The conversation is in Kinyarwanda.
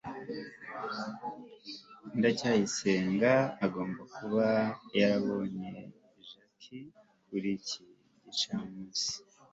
ndacyayisenga agomba kuba yarabonye jaki kuri iki gicamunsi